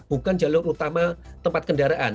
bukan jalur utama tempat kendaraan